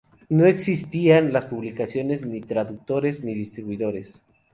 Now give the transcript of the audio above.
No existían publicaciones, ni traductores, ni distribuidores.